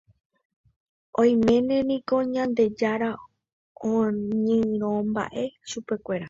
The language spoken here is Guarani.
Oiméne niko Ñandejára oñyrõmba'e chupekuéra.